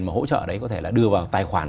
mà hỗ trợ đấy có thể là đưa vào tài khoản